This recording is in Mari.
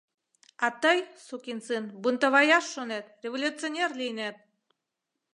А, тый, сукин сын, бунтоваяш шонет, революционер лийнет!